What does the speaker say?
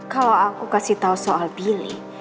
kalau aku kasih tahu soal billy